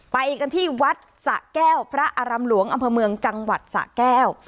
ไปกันที่วัดสะแก้วพระอารำหลวงอำเภอเมืองจังหวัดสะแก้ว